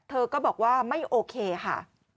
เธอก็บอกว่าไม่โอเคค่ะ